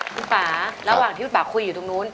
คุณป่าระหว่างที่คุณป่าคุยอยู่ตรงนู้น